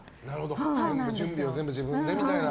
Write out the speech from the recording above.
準備を全部自分でみたいな。